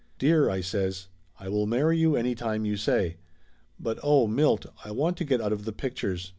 "Dear !" I says, "I will marry you any time you say. But oh, Milt, I want to get out of the pictures.